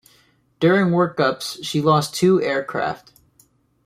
During workups she lost two aircraft.